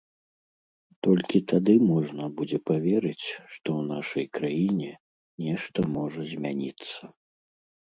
Толькі тады можна будзе паверыць, што ў нашай краіне нешта можа змяніцца.